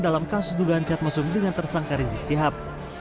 dalam kasus dugaan chat musim dengan tersangka rizik sihab